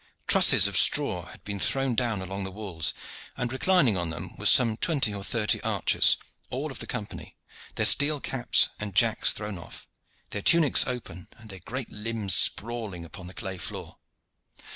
Trusses of straw had been thrown down along the walls, and reclining on them were some twenty or thirty archers, all of the Company, their steel caps and jacks thrown off, their tunics open and their great limbs sprawling upon the clay floor.